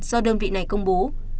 do đơn vị này công bố